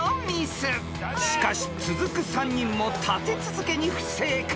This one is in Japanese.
［しかし続く３人も立て続けに不正解］